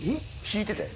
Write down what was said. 引いてて？